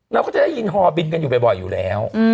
เราก็จะได้ยินฮอบินกันอยู่บ่อยอยู่แล้ว